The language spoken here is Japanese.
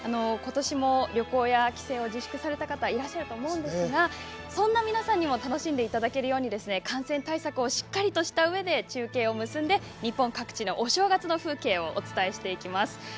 ことしも旅行や帰省を自粛された方いらっしゃると思うんですがそんな皆さんにも楽しんでいただけるように感染対策をしっかりとしたうえで中継を結んで日本各地のお正月の風景をお伝えしていきます。